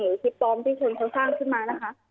หรือคลิปปลอมที่เชิญข้างขึ้นมานะคะ